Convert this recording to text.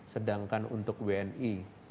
sedangkan untuk wni